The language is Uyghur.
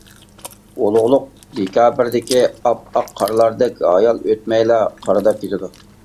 ئۇلۇغلۇق دېكابىردىكى ئاپئاق قارلاردەك ھايال ئۆتمەيلا قارىداپ كېتىدۇ.